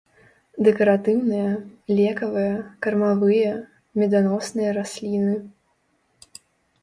Дэкаратыўныя, лекавыя, кармавыя, меданосныя расліны.